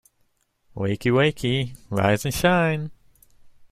Wakey, wakey! Rise and shine!